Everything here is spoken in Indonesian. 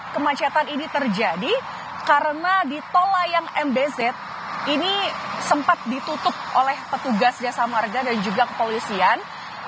kemacetan ini terjadi karena di tol layang mbz ini sempat ditutup oleh petugas jasa marga dan juga kepolisian